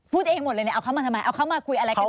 พูดเองหมดเลยเอาเขามาทำไมเอาเขามาคุยอะไรกับฉัน